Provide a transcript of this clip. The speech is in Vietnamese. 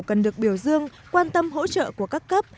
cần được biểu dương quan tâm hỗ trợ của các cấp